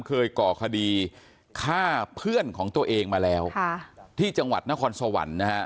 ก่อคดีฆ่าเพื่อนของตัวเองมาแล้วที่จังหวัดนครสวรรค์นะฮะ